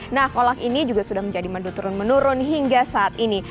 nah kolak ini juga sudah menjadi madu turun menurun hingga saat ini